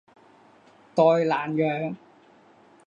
代兰让。